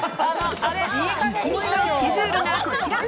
一日のスケジュールがこちら。